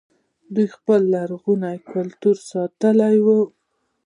دوی خپل لرغونی کلتور ساتلی و